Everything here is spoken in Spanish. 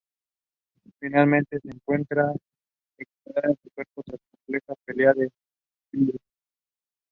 Finalmente esta recupera su cuerpo tras una compleja pelea con Clive.